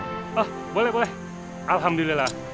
oh boleh boleh alhamdulillah